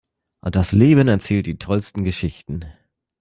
Das Leben erzählt die tollsten Geschichten.